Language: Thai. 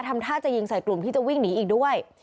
ทำท่าจะยิงใส่กลุ่มที่จะวิ่งหนีอีกด้วย